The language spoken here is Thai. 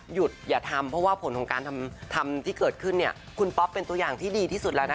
หยุดอย่าทำเพราะว่าผลของการทำที่เกิดขึ้นคุณป๊อปเป็นตัวอย่างที่ดีที่สุดแล้วนะ